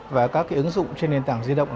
và các ứng dụng trên nền tảng di động